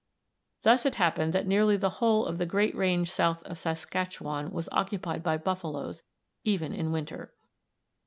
Thus it happened that nearly the whole of the great range south of the Saskatchewan was occupied by buffaloes even in winter.